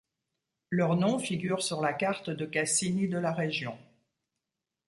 Leurs noms figurent sur la carte de Cassini de la région.